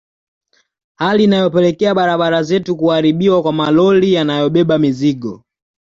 Hali inayopelekea barabara zetu kuharibiwa kwa malori yanayobeba mizigo